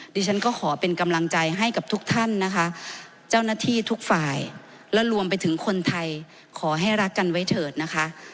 ดิฉันก็ขอเป็นกำลังใจให้กับทุกท่านนะคะเจ้าหน้าที่ทุกฝ่ายและรวมไปถึงคนไทยขอให้รักกันไว้เถิดนะคะ